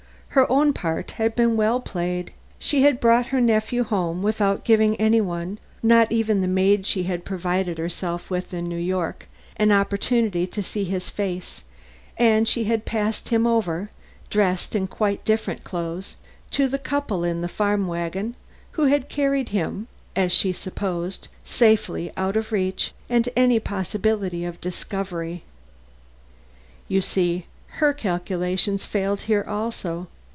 Her own part had been well played. She had brought her nephew home without giving any one, not even the maid she had provided herself with in New York, an opportunity to see his face; and she had passed him over, dressed in quite different clothes, to the couple in the farm wagon, who had carried him, as she supposed, safely out of reach and any possibility of discovery. You see her calculations failed here also.